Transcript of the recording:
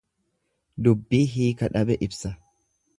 Dubbii hiika dhabe ibsa.